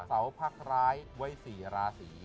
เสาพรรคร้ายไวศราษี